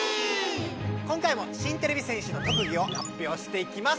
今回も新てれび戦士の特技をはっぴょうしていきます。